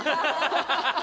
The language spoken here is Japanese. ハハハハ！